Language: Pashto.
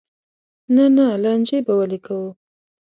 نه نه لانجې به ولې کوو.